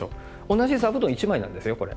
同じ座布団１枚なんですよこれ。